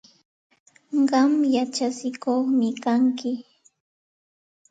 Qam yachatsikuqmi kanki.